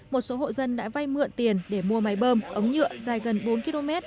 một số hộ dân đã vay mượn tiền để mua máy bơm ống nhựa dài gần bốn km